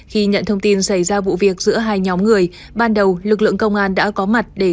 khi nhận thông tin xảy ra vụ việc giữa hai nhóm người ban đầu lực lượng công an đã có mặt để